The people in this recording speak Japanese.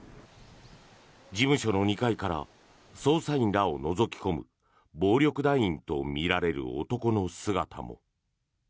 事務所の２階から捜査員をのぞき込む暴力団員とみられる男の姿も。